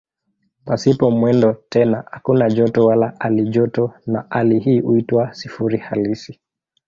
Pasipo mwendo tena hakuna joto wala halijoto na hali hii huitwa "sifuri halisi".